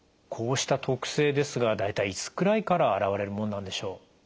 こうした特性ですが大体いつくらいから現れるものなんでしょう？